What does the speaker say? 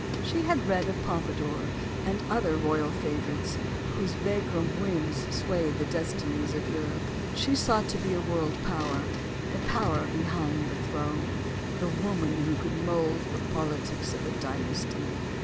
She had read of Pompadour and other royal fav orites whose vagrom whims swayed the destinies of Europe. She sought to be a world power; the power behind the throne; the woman who could mold the politics of a dynasty.